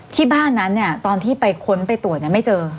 ที่บ้านนั้นเนี่ยตอนที่ไปค้นไปตรวจไม่เจอ